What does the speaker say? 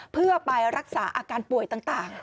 เพื่อไปรักษาอาการป่วยต่าง